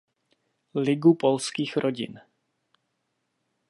Ligu polských rodin.